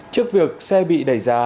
trước việc xe bị đẩy giá